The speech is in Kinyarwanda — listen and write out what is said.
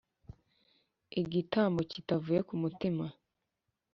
Igitambo kitavuye ku mutima